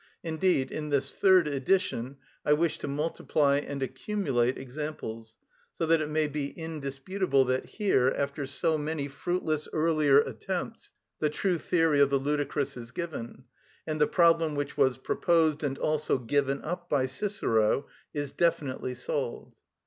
Indeed in this third edition I wish to multiply and accumulate examples, so that it may be indisputable that here, after so many fruitless earlier attempts, the true theory of the ludicrous is given, and the problem which was proposed and also given up by Cicero is definitely solved.